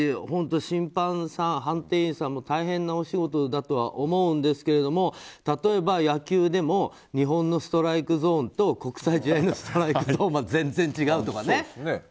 本当、審判さん、判定員さんも大変なお仕事だと思うんですが例えば野球でも日本のストライクゾーンと国際試合のストライクゾーンが全然違うとかね。